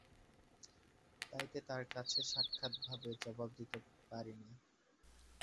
তাইতে তার কাছে সাক্ষাৎভাবে জবাব দিতে পারিনি।